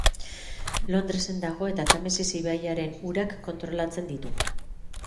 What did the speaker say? Londresen dago eta Tamesis ibaiaren urak kontrolatzen ditu.